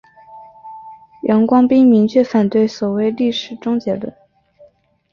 杨光斌明确反对所谓历史终结论。